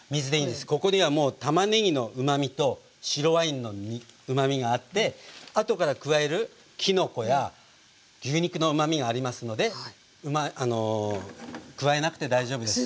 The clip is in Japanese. ここにはもうたまねぎのうまみと白ワインのうまみがあって後から加えるきのこや牛肉のうまみがありますので加えなくて大丈夫です。